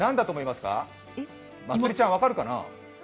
まつりちゃん、分かるかな？